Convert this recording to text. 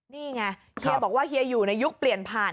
นี่ไงเฮียบอกว่าเฮียอยู่ในยุคเปลี่ยนผ่าน